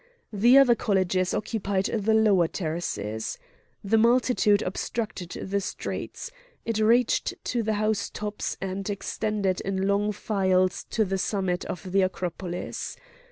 The other colleges occupied the lower terraces. The multitude obstructed the streets. It reached to the house tops, and extended in long files to the summit of the Acropolis.